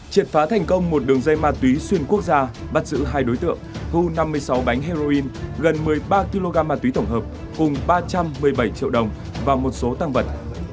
triệt phá thành công một đường dây ma túy xuyên quốc gia bắt giữ hai đối tượng thu năm mươi sáu bánh heroin gần một mươi ba kg ma túy tổng hợp cùng ba trăm một mươi bảy triệu đồng và một số tăng vật